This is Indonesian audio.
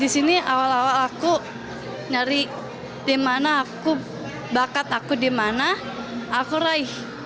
di sini awal awal aku dari dimana aku bakat aku dimana aku raih